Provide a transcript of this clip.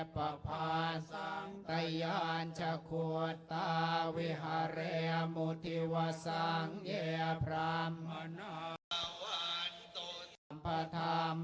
พระนครในเมืองไทยทั้งประการเท่านั้นเสาไว้ความเกิดทีวีทุกอย่าง